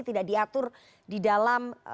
tidak diatur di dalam